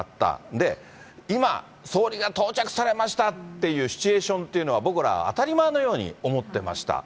で、今、総理が到着されましたっていうシチュエーションっていうのは僕ら当たり前のように思ってました。